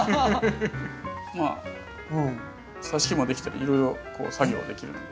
まあさし木もできたりいろいろ作業はできるので。